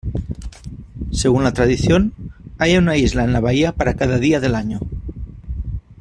Según la tradición, hay una isla en la bahía para cada día del año.